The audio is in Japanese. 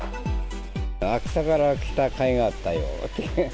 秋田から来たかいがあったよ。